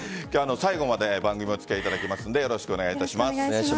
最後まで、番組お付き合いいただきますのでよろしくお願いします。